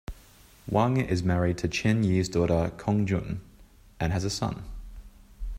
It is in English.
Wang is married to Chen Yi's daughter Cong Jun and has a son.